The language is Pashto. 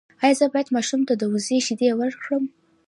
ایا زه باید ماشوم ته د وزې شیدې ورکړم؟